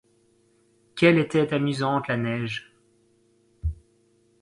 Qu’elle était amusante la neige !